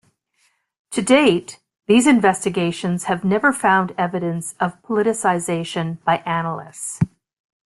To date, these investigations have never found evidence of politicization by analysts.